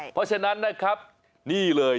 เพราะฉะนั้นนะครับนี่เลย